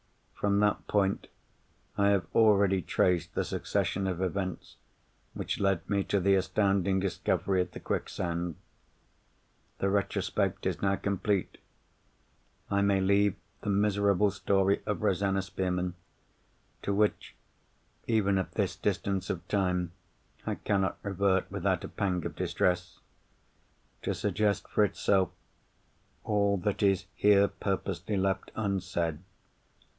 From that point, I have already traced the succession of events which led me to the astounding discovery at the quicksand. The retrospect is now complete. I may leave the miserable story of Rosanna Spearman—to which, even at this distance of time, I cannot revert without a pang of distress—to suggest for itself all that is here purposely left unsaid.